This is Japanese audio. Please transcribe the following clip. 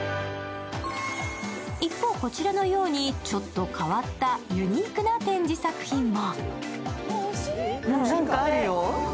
一方こちらのようにちょっと変わったユニークな展示作品も。